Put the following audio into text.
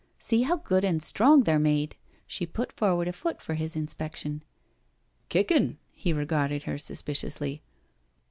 " See how good and strong they're made." She put forward a foot for his inspec tion. " Kickin'l " He regarded her suspiciously.